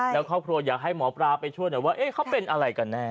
แล้วเข้าโครงอยากให้หมอปลาไปช่วยว่าเขาเป็นอะไรกันแน้น